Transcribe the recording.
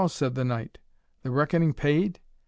said the knight; "the reckoning paid?